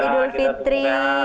selamat idul fitri